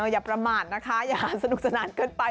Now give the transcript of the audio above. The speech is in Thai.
อย่าประมาทนะคะอย่าสนุกสนานเกินไป